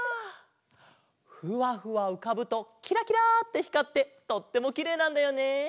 ふわふわうかぶときらきらってひかってとってもきれいなんだよね。